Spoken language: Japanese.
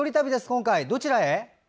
今日はどちらへ？